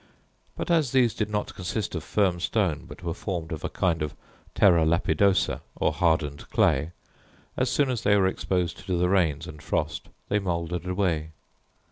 But as these did not consist of firm stone, but were formed of a kind of terra lapidosa, or hardened clay, as soon as they were exposed to the rains and frost they mouldered away.